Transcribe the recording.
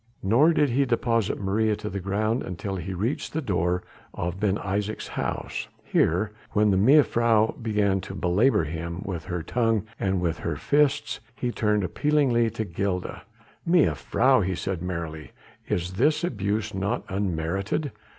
Nor did he deposit Maria to the ground until he reached the door of Ben Isaje's house; here, when the mevrouw began to belabour him with her tongue and with her fists, he turned appealingly to Gilda: "Mejuffrouw," he said merrily, "is this abuse not unmerited?